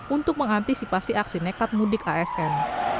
untuk mengantisipasi aksi nekat mudik asn